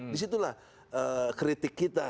di situlah kritik kita